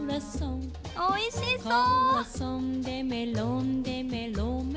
おいしそう！